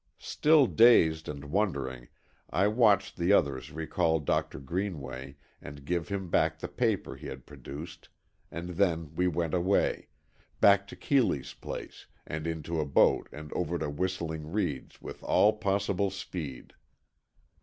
Still dazed and wondering, I watched the others recall Doctor Greenway and give him back the paper he had produced, and then we went away—back to Keeley's place, and into a boat and over to Whistling Reeds with all possible speed.